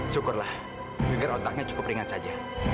syukurlah agar otaknya cukup ringan saja